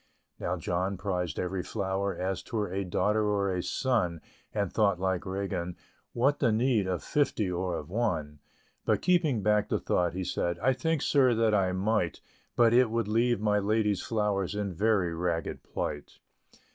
Now John prized every flower, as 'twere A daughter or a son; And thought, like Regan "what the need Of fifty, or of one?" But keeping back the thought, he said, "I think, sir, that I might; But it would leave my lady's flowers In very ragged plight."